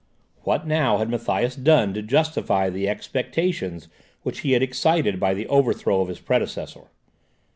What now had Matthias done to justify the expectations which he had excited by the overthrow of his predecessor?